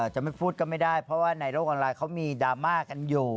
จะไม่พูดก็ไม่ได้เพราะว่าในโลกออนไลน์เขามีดราม่ากันอยู่